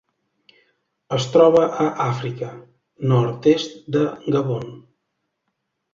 Es troba a Àfrica: nord-est de Gabon.